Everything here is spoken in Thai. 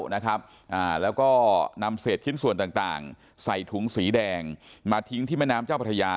แล้วก็นำเศษชิ้นส่วนต่างใส่ถุงสีแดงมาทิ้งที่แม่น้ำเจ้าพระยา